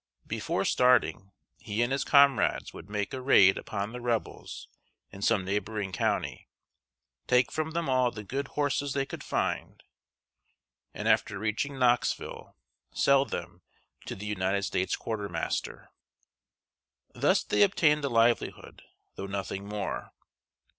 Before starting, he and his comrades would make a raid upon the Rebels in some neighboring county, take from them all the good horses they could find, and, after reaching Knoxville, sell them to the United States quartermaster. Thus they obtained a livelihood, though nothing more.